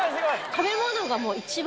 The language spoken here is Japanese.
食べ物がもう、一番